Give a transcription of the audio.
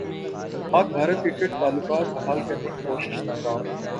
پاک بھارت کرکٹ تعلقات بحال کرنے کی کوشش ناکام